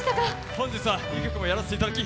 本日は２曲もやらせていただき